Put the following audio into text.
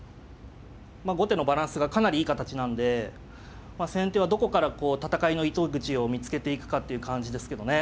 まあ後手のバランスがかなりいい形なんで先手はどこからこう戦いの糸口を見つけていくかっていう感じですけどね。